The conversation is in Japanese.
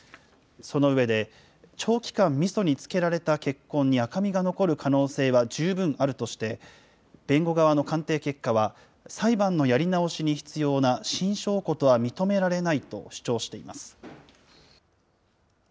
その上で、長期間みそに漬けられた血痕に、赤みが残る可能性は十分あるとして、弁護側の鑑定結果は、裁判のやり直しに必要な新証拠とは認められないと主張しています。